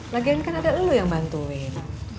lagian kan ada lulu yang bantuin